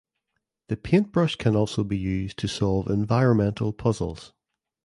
The paintbrush can also be used to solve environmental puzzles.